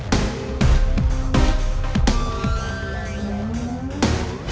kamu pabri komentari rentang ottobahnya